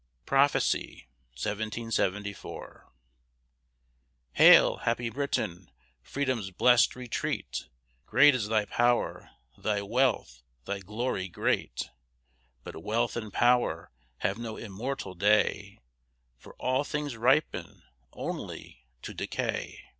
"PROPHECY" Hail, happy Britain, Freedom's blest retreat, Great is thy power, thy wealth, thy glory great, But wealth and power have no immortal day, For all things ripen only to decay.